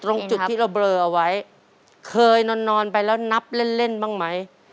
ตรงจุดที่เราเบลอเอาไว้เคยนอนไปแล้วนับเล่นเล่นบ้างไหม